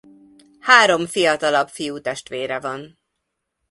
Három fiatalabb fiútestvére van.